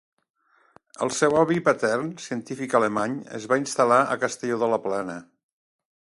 El seu avi patern, científic alemany, es va instal·lar a Castelló de la Plana.